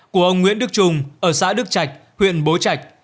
của ông nguyễn đức trung ở xã đức trạch huyện bố trạch